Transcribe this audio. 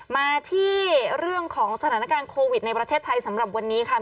มาที่เรื่องของสถานการณ์โควิดในประเทศไทยสำหรับวันนี้ค่ะ